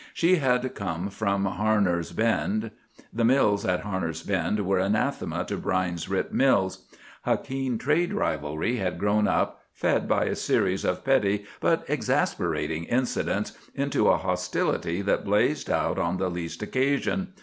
She had come from Harner's Bend. The Mills at Harner's Bend were anathema to Brine's Rip Mills. A keen trade rivalry had grown, fed by a series of petty but exasperating incidents, into a hostility that blazed out on the least occasion.